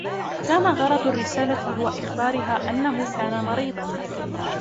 كان غرض الرسالة هو إخبارها أنه كان مريضا.